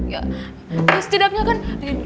ya ya setidaknya kan